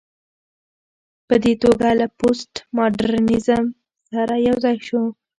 په دې توګه له پوسټ ماډرنيزم سره يوځاى شو